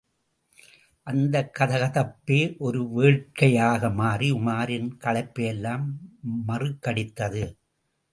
அந்தக் கதகதப்பே ஒரு வேட்கையாக மாறி உமாரின் களைப்பையெல்லாம் மறக்கடித்தது.